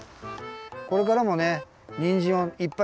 これからもねにんじんをいっぱいたべてください。